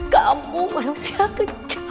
kamu manusia kejam